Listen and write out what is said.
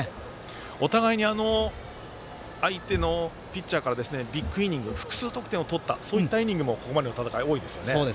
お互いに相手のピッチャーからビッグイニング複数得点を取ったそういったイニングもここまでの戦い多いですね。